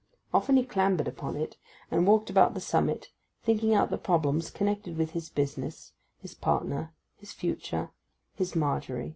Often he clambered upon it, and walked about the summit, thinking out the problems connected with his business, his partner, his future, his Margery.